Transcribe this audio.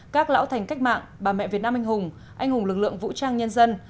các lão thành cách mạng bà mẹ việt nam anh hùng anh hùng lực lượng vũ trang nhân dân